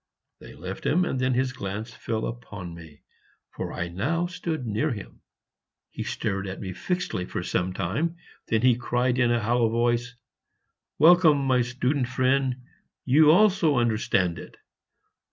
They left him; and then his glance fell upon me, for I now stood near him. He stared at me fixedly for some time; then he cried in a hollow voice, "Welcome, my student friend! you also understand it!"